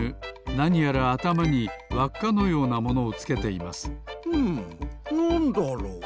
なにやらあたまにわっかのようなものをつけていますふむなんだろう？